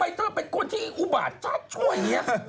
ทำไมเธอเป็นคนที่อุบาทจัดช่วยเนี่ย